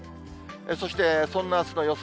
そして、そんなあすの予想